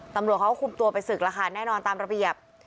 ตำรวจเขาก็คุมตัวไปศึกแล้วค่ะแน่นอนตามระเบียบ